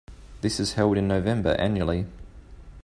This is held in November annually.